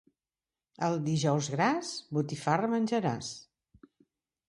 El Dijous Gras, botifarra menjaràs.